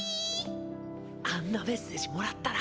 あんなメッセージもらったら！